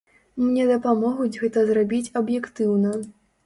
Мне дапамогуць гэта зрабіць аб'ектыўна.